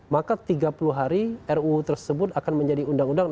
maka tiga puluh hari ruu tersebut akan menjadi undang undang